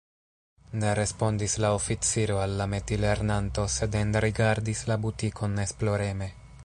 Ne respondis la oficiro al la metilernanto, sed enrigardis la butikon esploreme.